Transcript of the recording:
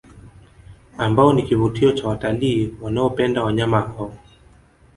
Ambao ni Kivutio cha Watalii wanaopenda wanyama hao